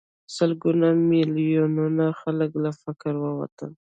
سلګونه میلیونه خلک له فقر ووتل.